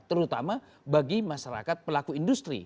terutama bagi masyarakat pelaku industri